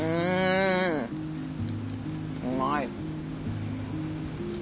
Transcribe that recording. うまい。